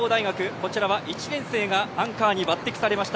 こちらは１年生がアンカーに抜てきされました。